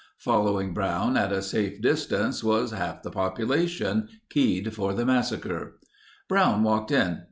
Following Brown at a safe distance, was half the population, keyed for the massacre. Brown walked in.